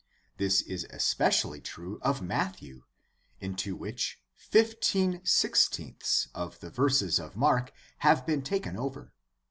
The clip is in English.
This is especially true of Matthew, into which fifteen sixteenths of the verses of Mark have been taken over.